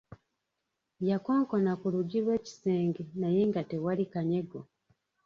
Yakonkona ku luggi lw'ekisenge naye nga tewali kanyego.